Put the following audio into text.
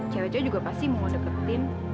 cewek cewek juga pasti mau deketin